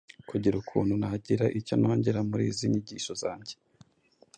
kugira ukuntu nagira icyo nongera muri izi nyigisho zanjye.